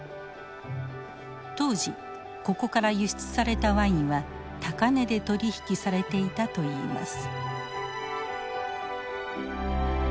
当時ここから輸出されたワインは高値で取り引きされていたといいます。